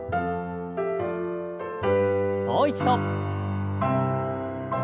もう一度。